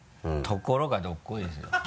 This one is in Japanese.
ところがどっこいですよ。